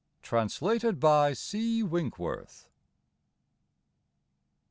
Translated by C. W INK WORTH.